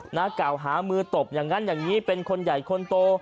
หน้ากล่าวหามือตบอย่างนั้นอย่างนี้เป็นคนใหญ่คนโต